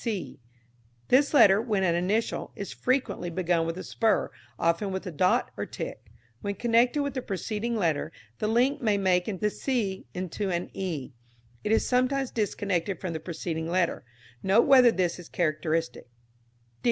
c. This letter, when an initial, is frequently begun with a spur, often with a dot or tick. When connected with a preceding letter, the link may make the c into an e. It is sometimes disconnected from the preceding letter. Note whether this is characteristic.